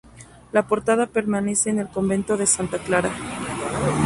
La portada permanece en el convento de Santa Clara.